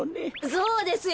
そうですよ。